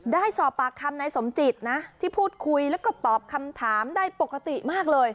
ได้สอบปากคำนายสมจิตนะที่พูดคุยแล้วก็ตอบคำถามได้ปกติมากเลย